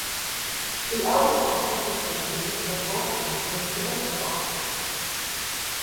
The album also contains a mix of vocal and instrumental songs.